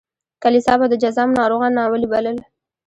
کلیسا به د جذام ناروغان ناولي بلل.